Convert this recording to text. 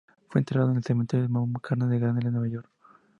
Fue enterrado en el Cementerio Mount Carmel de Glendale, Nueva York.